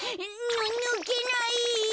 ぬぬけない。